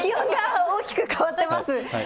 気温が大きく変わってます。